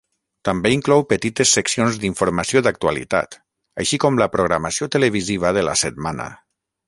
També inclou petites seccions d'informació d'actualitat, així com la programació televisiva de la setmana.